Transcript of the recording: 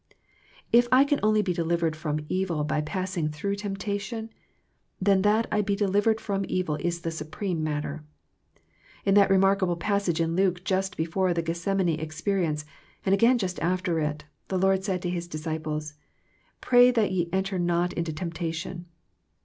If I can only be delivered from evil by passing through temptation, then that I be delivered from evil is the supreme matter. In that remarkable passage in Luke just before the Gethsemane experience and again just after it, the Lord said to His disciples, '^ Pray that ye en ter not into temptation."